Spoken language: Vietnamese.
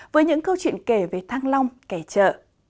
với những câu chuyện kể về thăng long kẻ trợ